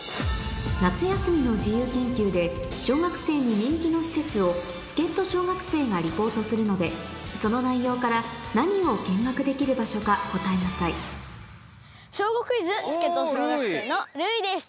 夏休みの自由研究で小学生に人気の施設を助っ人小学生がリポートするのでその内容から何を見学できる場所か答えなさい『小５クイズ』助っ人小学生のるういです。